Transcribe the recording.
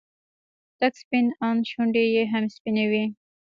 تک سپين ان شونډې يې هم سپينې وې.